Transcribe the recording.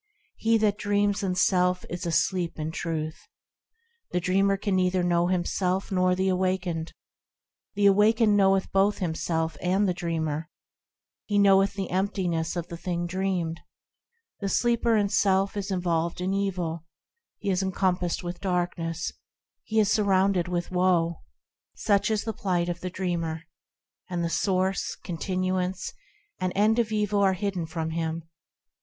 He that dreams in self is asleep in Truth. The dreamer can neither know himself nor the awakened ; The awakened knoweth both himself and the dreamer, He also knoweth the emptiness of the thing dreamed. The sleeper in self is involved in evil ; He is encompassed with darkness; He is surrounded with woe ; Such is the plight of the dreamer, And the source, continuance, and end of evil are hidden from him.